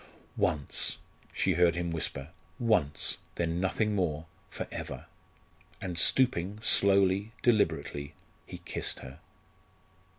"Once!" she heard him whisper. "Once! Then nothing more for ever." And stooping, slowly, deliberately, he kissed her.